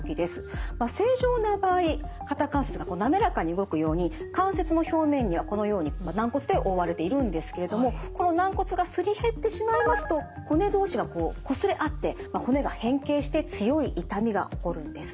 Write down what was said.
正常な場合肩関節がなめらかに動くように関節の表面にはこのように軟骨で覆われているんですけれどもこの軟骨がすり減ってしまいますと骨同士がこうこすれ合ってまあ骨が変形して強い痛みが起こるんですね。